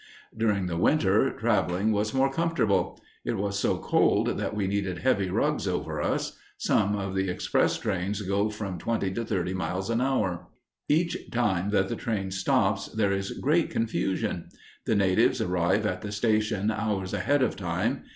During the winter, traveling was more comfortable. It was so cold that we needed heavy rugs over us. Some of the express trains go from twenty to thirty miles an hour. Each time that the train stops, there is great confusion. The natives arrive at the station hours ahead of time.